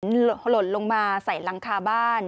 อุปกรณ์หล่นลงมาใส่หลังคาบ้าน